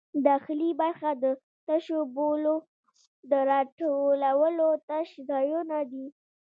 داخلي برخه د تشو بولو د راټولولو تش ځایونه دي.